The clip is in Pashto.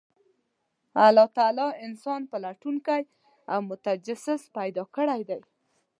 الله تعالی انسان پلټونکی او متجسس پیدا کړی دی،